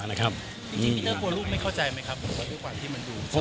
พี่เตอร์กลัวลูกไม่เข้าใจไหมครับ